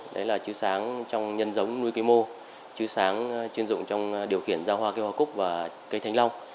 đấy là chiếu sáng trong nhân giống nuôi cây mô chiếu sáng chuyên dụng trong điều khiển ra hoa cây hoa cúc và cây thanh long